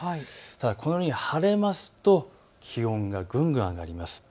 このように晴れますと気温がぐんぐん上がります。